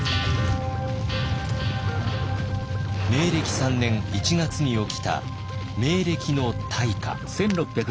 明暦３年１月に起きた明暦の大火。